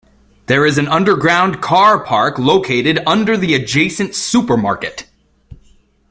There is an underground car park located under the adjacent supermarket.